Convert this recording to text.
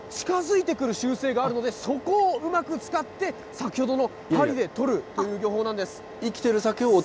このサケに、サケは近づいてくる習性があるので、そこをうまく使って、先ほどの針で取るという漁法なんです。